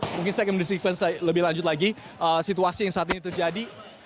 mungkin saya akan mendisiplin lebih lanjut lagi situasi yang saat ini terjadi